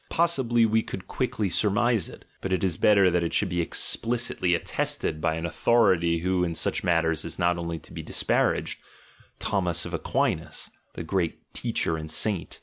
Possibly we could quickly sur mise it; but it is better that it should be explicitly attested by an authority who in such matters is not to be disparaged, Thomas of Aquinas, the great teacher and saint.